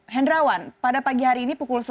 hendrawan pada pagi hari ini pukul satu